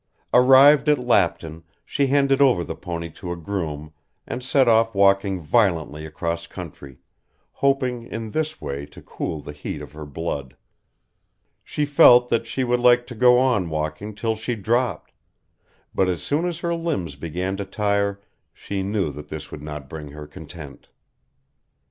Arrived at Lapton she handed over the pony to a groom and set off walking violently across country, hoping in this way to cool the heat of her blood. She felt that she would like to go on walking till she dropped, but as soon as her limbs began to tire she knew that this would not bring her content.